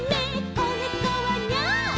こねこはニャー」